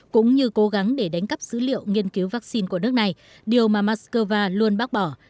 cũng như cố gắng để đánh cắp dữ liệu nghiên cứu vaccine của nước này điều mà moscow luôn bác bỏ